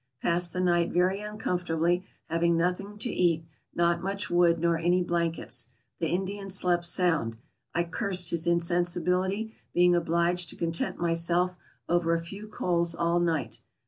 Passed the night very uncomfortably, having nothing to eat, not much wood, nor any blankets. The Indian slept sound. I cursed his insensibility, being obliged to content myself over a few coals all night.